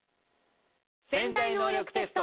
「潜在能力テスト」。